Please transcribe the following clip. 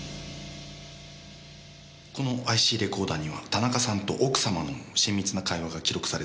このＩＣレコーダーには田中さんと奥様の親密な会話が記録されていました。